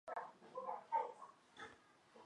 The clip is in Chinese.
你本来就是他的猎物